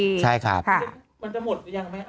มันจะหมดไหม